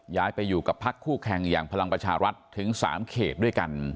ย้ายไปอยู่กับพักคู่แข่งอย่างพลังประชารัฐถึง๓เขตด้วยกัน